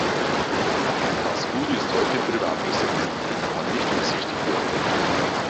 Das Gut ist heute in Privatbesitz und kann nicht besichtigt werden.